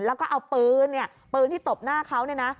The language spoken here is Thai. แล้วก็เอาปืนเนี่ยปืนที่ตบหน้าเขาเนี่ยนะ